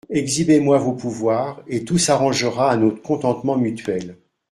Exhibez-moi vos pouvoirs, et tout s'arrangera à notre contentement mutuel.